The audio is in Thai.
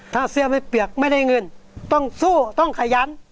ถ้าเสื้อไม่เปียกไม่ได้เงินต้องสู้ต้องขยัน